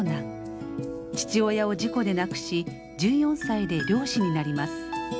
父親を事故で亡くし１４歳で漁師になります。